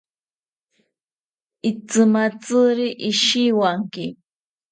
Itzimatziri ishiwanki